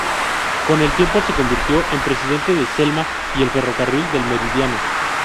Con el tiempo se convirtió en presidente de Selma y el ferrocarril del Meridiano.